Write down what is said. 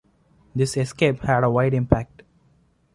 This escape had a wide impact.